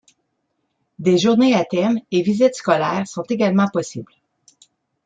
Des journées à thèmes et visites scolaires sont également possibles.